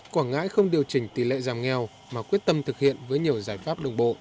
quảng ngãi không điều chỉnh tỷ lệ giảm nghèo mà quyết tâm thực hiện với nhiều giải pháp đồng bộ